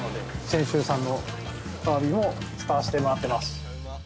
泉州産のアワビも使わしてもらってます。